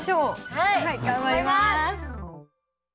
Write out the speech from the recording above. はい頑張ります。